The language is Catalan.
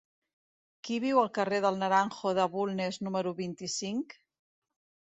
Qui viu al carrer del Naranjo de Bulnes número vint-i-cinc?